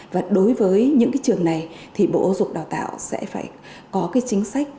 và đối với những trường này bộ giáo dục đào tạo sẽ phải có chính sách